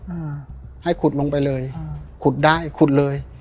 อืมให้ขุดลงไปเลยอืมขุดได้ขุดเลย